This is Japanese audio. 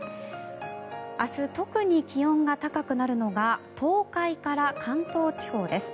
明日、特に気温が高くなるのが東海から関東地方です。